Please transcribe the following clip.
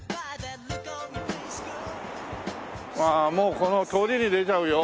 もうこの通りに出ちゃうよ。